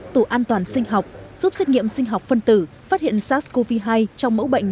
tủ an toàn sinh học giúp xét nghiệm sinh học phân tử phát hiện sars cov hai trong mẫu bệnh